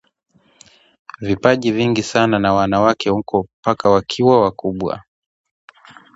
vipaji vingi sana na wakae huko mpaka pale wakiwa wakubwa